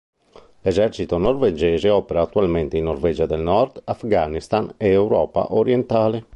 L'esercito norvegese opera attualmente in Norvegia del Nord, Afghanistan ed Europa orientale.